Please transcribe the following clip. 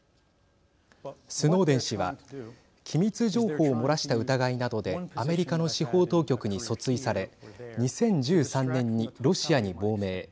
スノーデン氏は機密情報を漏らした疑いなどでアメリカの司法当局に訴追され２０１３年にロシアに亡命。